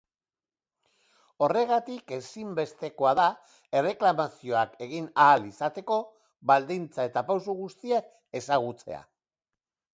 Horregatik, ezinbestekoa da erreklamazioak egin ahal izateko baldintza eta pauso guztiak ezagutzea.